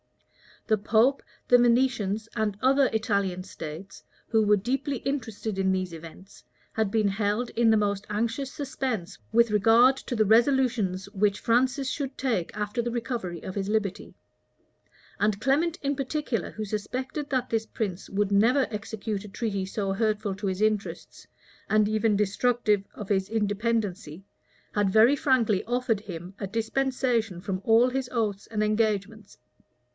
The pope, the Venetians, and other Italian states, who were deeply interested in these events, had been held in the most anxious suspense with regard to the resolutions which Francis should take after the recovery of his liberty; and Clement, in particular, who suspected that this prince would never execute a treaty so hurtful to his interests, and even destructive of his independency, had very frankly offered him a dispensation from all his oaths and engagements.